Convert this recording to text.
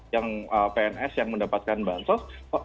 yang pns yang mendapatkan bantuan sosial